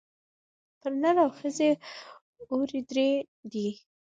پر نر او ښځي اوري دُرې دي